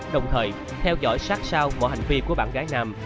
đồng thời theo dõi sát sao mọi hành vi của bạn gái nam